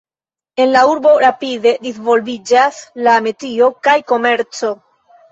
En la urbo rapide disvolviĝas la metio kaj komerco.